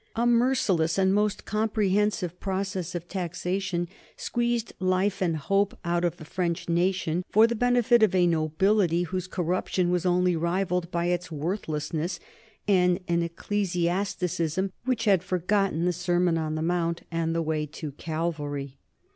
A merciless and most comprehensive process of taxation squeezed life and hope out of the French nation for the benefit of a nobility whose corruption was only rivalled by its worthlessness and an ecclesiasticism that had forgotten the Sermon on the Mount and the way to Calvary.